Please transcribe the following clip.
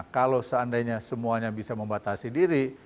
kalau seandainya semuanya bisa membatasi diri